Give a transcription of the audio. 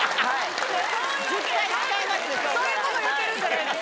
そういうこと言ってるんじゃないんです。